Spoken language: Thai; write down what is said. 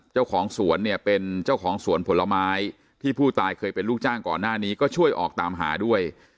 เจ้าของสวนเนี่ยเป็นเจ้าของสวนผลไม้ที่ผู้ตายเคยเป็นลูกจ้างก่อนหน้านี้ก็ช่วยออกตามหาด้วย